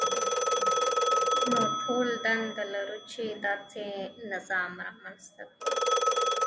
نو ټول دنده لرو چې داسې نظام رامنځته کړو.